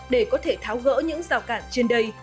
để có thể tháo gỡ những rào cản trên đây